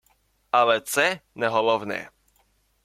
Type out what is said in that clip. Але це – не головне